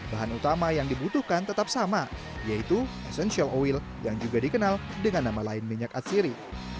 bahan utama yang dibutuhkan tetap sama yaitu essential oil yang juga dikenal dengan nama lain minyak atsiri